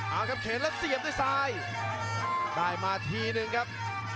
เอาครับเข็นแล้วเสียบด้วยซ้ายได้มาทีนึงครับ